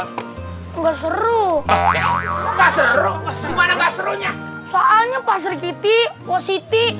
enggak seru enggak seru semuanya pasernya soalnya pak sergiti positi